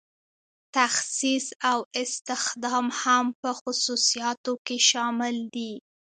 تخصیص او استخدام هم په خصوصیاتو کې شامل دي.